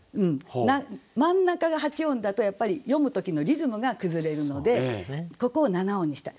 真ん中が８音だとやっぱり読む時のリズムが崩れるのでここを７音にしたい。